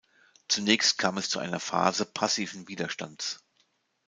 Zunächst kam es zu einer Phase passiven Widerstands.